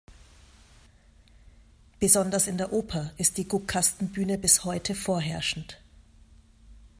Besonders in der Oper ist die Guckkastenbühne bis heute vorherrschend.